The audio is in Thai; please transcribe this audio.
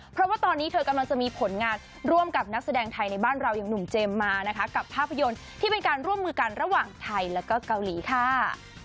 เพราะว่าตอนนี้เธอกำลังจะมีผลงานร่วมกับนักแสดงไทยในบ้านเราอย่างหนุ่มเจมส์มานะคะกับภาพยนตร์ที่เป็นการร่วมมือกันระหว่างไทยแล้วก็เกาหลีค่ะ